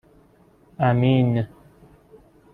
امین